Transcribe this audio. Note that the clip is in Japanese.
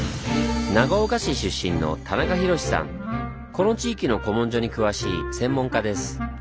この地域の古文書に詳しい専門家です。